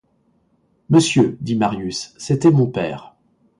Monsieur, dit Marius, c'était mon père.